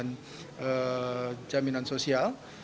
dan juga pemerintah jaminan sosial